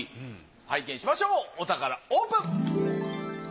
拝見しましょうお宝オープン！